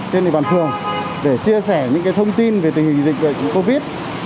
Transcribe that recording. trên địa bàn phường để chia sẻ những thông tin về tình hình dịch bệnh covid